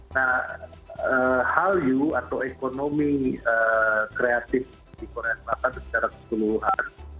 nah hallyu atau ekonomi kreatif di korea selatan secara keseluruhan